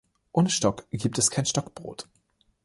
Ohne Stock gibt es kein Stockbrot.